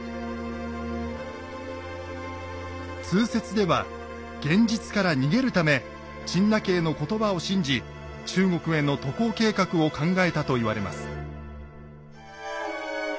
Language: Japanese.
通説では現実から逃げるため陳和の言葉を信じ中国への渡航計画を考えたと言われます。